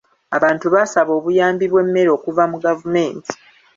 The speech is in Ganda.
Abantu baasaba obuyambi bw'emmere okuva mu gavumenti.